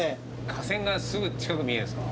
架線がすぐ近くに見えるんですか？